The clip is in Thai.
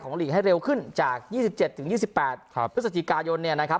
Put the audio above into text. ของท้ายลีกให้เร็วขึ้นจาก๒๗๒๘พฤษฎีกายนนะครับ